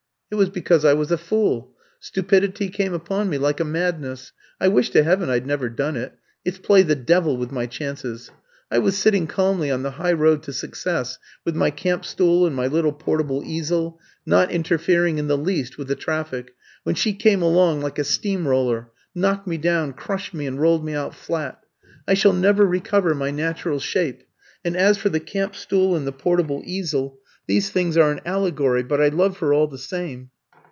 It was because I was a fool stupidity came upon me like a madness I wish to heaven I'd never done it. It's played the devil with my chances. I was sitting calmly on the highroad to success, with my camp stool and my little portable easel, not interfering in the least with the traffic, when she came along like a steam roller, knocked me down, crushed me, and rolled me out flat. I shall never recover my natural shape; and as for the camp stool and the portable easel these things are an allegory. But I love her all the same."